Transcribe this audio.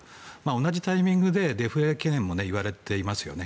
同じタイミングでデフレ懸念もいわれていますよね。